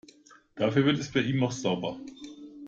Dafür wird es bei ihm auch sauber.